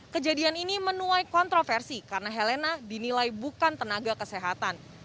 kejadian ini menuai kontroversi karena helena dinilai bukan tenaga kesehatan